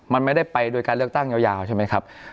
มันไม่ได้ไปโดยการเลือกตั้งยาวใช่ไหมครับ